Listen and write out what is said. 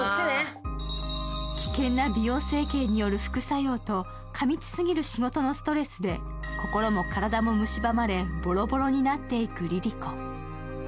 危険な美容整形による副作用と過密すぎる仕事のストレスで心も体もむしばまれボロボロになっていくりりこ。